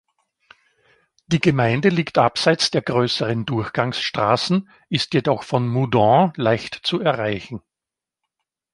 Die Gemeinde liegt abseits der grösseren Durchgangsstrassen, ist jedoch von Moudon leicht zu erreichen.